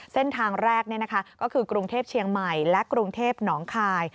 เส้นทางแรกก็คือกรุงเทพเชียงใหม่และกรุงเทพหนองคาย